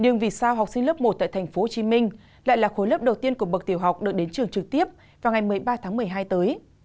nhưng vì sao học sinh lớp một tại thành phố hồ chí minh lại là khối lớp đầu tiên của bậc tiểu học được đến trường trực tiếp vào ngày một mươi ba tháng một mươi hai tới